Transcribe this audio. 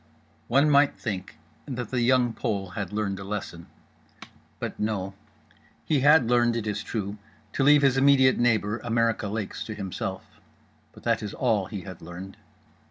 One might think that The Young Pole had learned a lesson. But no. He had learned (it is true) to leave his immediate neighbour, America Lakes, to himself; but that is all he had learned.